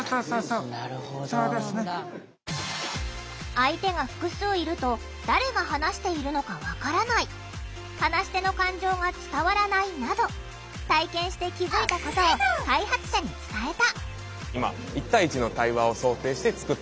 相手が複数いると誰が話しているのか分からない話し手の感情が伝わらないなど体験して気付いたことを開発者に伝えた。